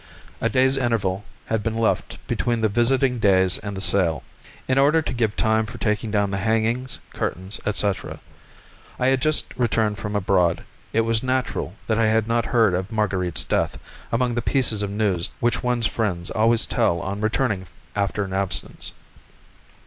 A day's interval had been left between the visiting days and the sale, in order to give time for taking down the hangings, curtains, etc. I had just returned from abroad. It was natural that I had not heard of Marguerite's death among the pieces of news which one's friends always tell on returning after an absence.